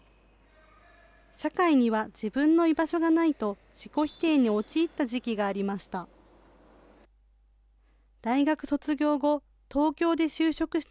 社会には自分の居場所がないと、自己否定に陥った時期がありました。